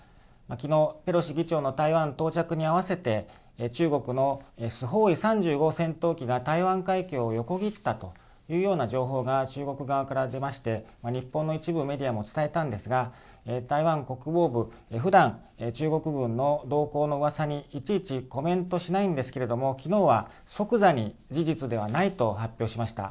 昨日、ペロシ議長の台湾到着に合わせて中国のスホーイ３５戦闘機が台湾海峡を横切ったというような情報が中国側から出まして日本の一部メディアも伝えたんですが台湾国防部、ふだん中国軍の動向のうわさにいちいちコメントしないんですけれども昨日は、即座に事実ではないと発表しました。